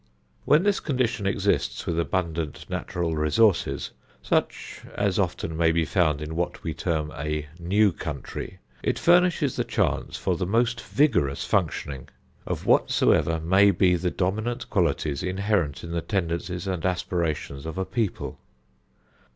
When this condition exists with abundant natural resources, such as often may be found in what we term a new country, it furnishes the chance for the most vigorous functioning of whatsoever may be the dominant qualities inherent in the tendencies and aspirations of a people.